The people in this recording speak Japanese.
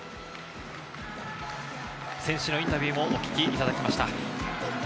選手のインタビューをお聞きいただきました。